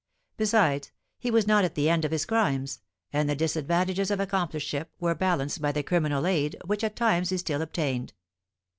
Besides, he was not at the end of his crimes, and the disadvantages of accompliceship were balanced by the criminal aid which at times he still obtained.